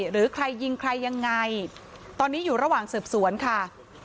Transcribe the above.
หรือใครยิงใครยังไงตอนนี้อยู่ระหว่างสืบสวนค่ะ